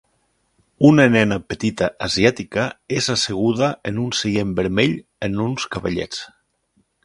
Una nena petita asiàtica és asseguda en un seient vermell en uns cavallets.